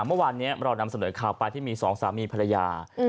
เมื่อวานนี้เรานำเสนอข่าวไปที่มีสองสามีภรรยา